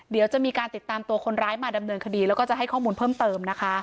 เดี๋ยวจะมีการติดตามตัวคนร้ายมาดำเนินคดีแล้วก็จะให้ข้อมูลเพิ่มเติมนะคะ